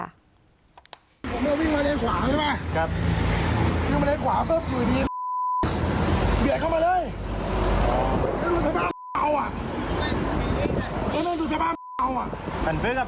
มันไม่รู้สึกว่ามันเอาอ่ะพันฟื้นครับพี่ใจพันฟื้นนะครับ